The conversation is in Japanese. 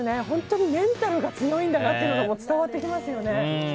本当にメンタルが強いんだなというのが伝わってきますよね。